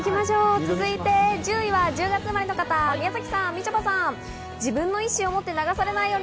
続いて１０位は１０月生まれの方、みちょぱさん、宮崎さん。